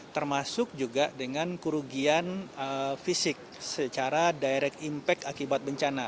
termasuk juga dengan kerugian fisik secara direct impact akibat bencana